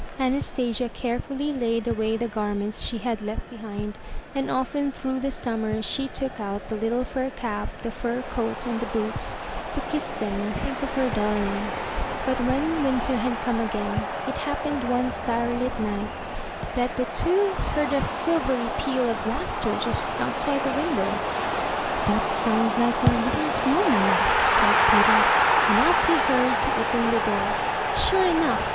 Anastasia carefully laid away the garments she had left behind and often through the summer she took out the little fur cap, the fur coat and the boots, to kiss them and think of her darling. But when winter had come again, it happened one starlit night, that the two 235 M Y BOOK HOUSE heard a silvery peal of laughter just outside the win dow. 'That sounds like our little snow maid!'' cried Peter, and off he hurried to open the door. Sure enough